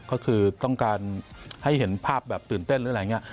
ก็คือต้องการให้เห็นภาพแบบตื่นเต้นหรืออะไรอย่างนี้